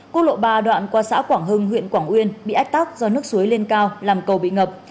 quốc lộ ba đoạn qua xã quảng hưng huyện quảng uyên bị ách tắc do nước suối lên cao làm cầu bị ngập